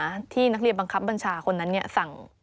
มาที่นักเรียบบังกับบรรชาตร์